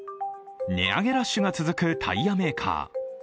値上げラッシュが続くタイヤメーカー。